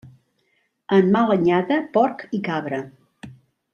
En mala anyada, porc i cabra.